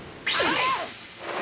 はい！！